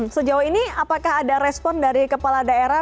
sejauh ini apakah ada respon dari kepala daerah